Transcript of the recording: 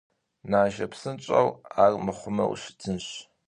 Нажэ, псынщӀэу, армыхъумэ, ущтынщ.